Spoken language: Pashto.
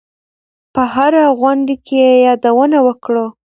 په هره غونډه کې یې یادونه وکړو.